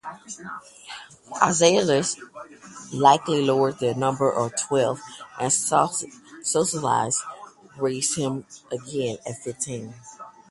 Aeschylus likely lowered the number to twelve, and Sophocles raised it again to fifteen.